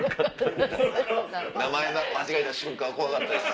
名前間違えた瞬間怖かったです。